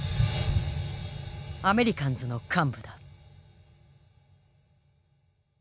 アメリカンズの幹部だ。